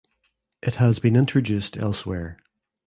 It has been introduced elsewhere.